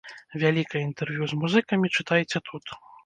Вялікае інтэрв'ю з музыкамі чытайце тут!